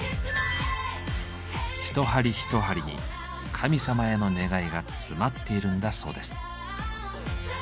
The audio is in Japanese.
一針一針に神様への願いが詰まっているんだそうです。